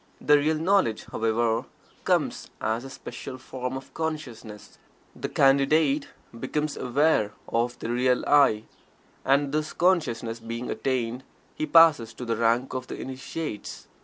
The real knowledge, however, comes as a special form of consciousness. The Candidate becomes "aware" of the real "I," and this consciousness being attained, he passes to the rank of the Initiates.